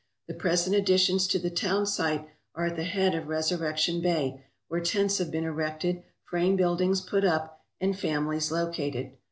The present additions to the townsite are at the head of Resurrection Bay, where tents have been erected, frame buildings put up, and families located.